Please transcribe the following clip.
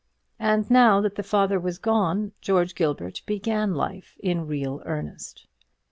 And now that the father was gone, George Gilbert began life in real earnest.